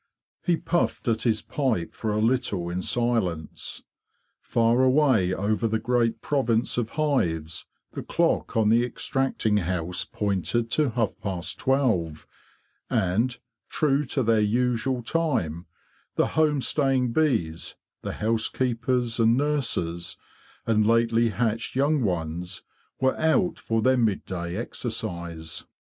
He puffed at his pipe for a little in silence. Far away over the great province of hives, the clock on the extracting house pointed to half past twelve; and, true to their usual time, the home staying bees —the housekeepers and nurses and lately hatched young ones—were out for their midday exercise.